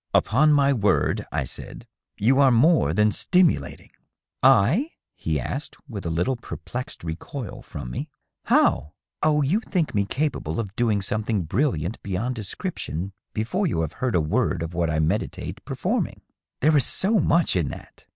" Upon my word," I said, " you are more than stimulating ?'" I ?" he asked, with a little perplexed recoil from me. " How ?"" Oh, you think me capable of doing something brilliant beyond description before you have heard a word of what I meditate perform ing. There is so much in that